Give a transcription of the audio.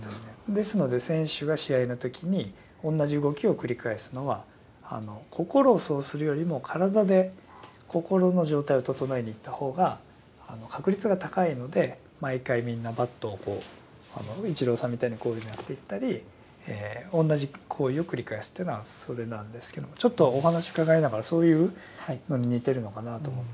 ですので選手が試合の時に同じ動きを繰り返すのは心をそうするよりも体で心の状態を整えにいった方が確率が高いので毎回みんなバットをこうイチローさんみたいにこういうのやっていったり同じ行為を繰り返すってのはそれなんですけどもちょっとお話伺いながらそういうのに似てるのかなと思って。